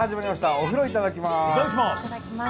「お風呂いただきます」。